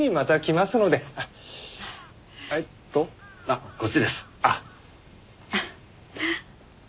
あっこっちです。